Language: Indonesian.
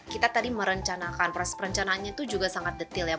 kita tadi merencanakan proses perencanaannya itu juga sangat detail ya